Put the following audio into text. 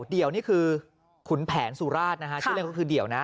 เดี่ยวนี่คือขุนแผนสุราชนะฮะชื่อเล่นก็คือเดี่ยวนะ